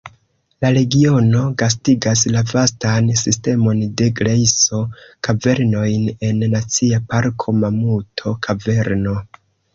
La regiono gastigas la vastan sistemon de grejso-kavernojn en Nacia Parko Mamuto-Kaverno.